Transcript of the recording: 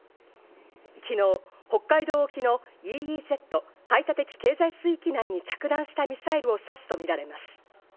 昨日、北海道沖のＥＥＺ＝排他的経済水域内に着弾したミサイルを指すとみられます。